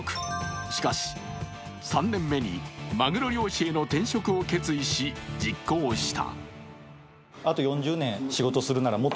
しかし３年目にまぐろ漁師への転職を決意し、実行した。